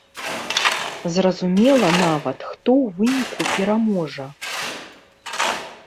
Зразумела нават, хто ў выніку пераможа.